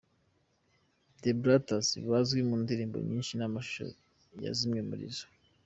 The Brothers bazwi mu ndirimbo nyinshi n’amashusho ya zimwe muri zo.